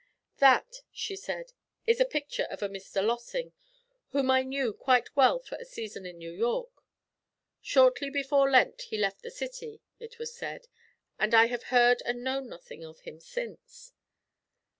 'That,' she said, 'is a picture of a Mr. Lossing, whom I knew quite well for a season in New York. Shortly before Lent he left the city, it was said, and I have heard and known nothing of him since.'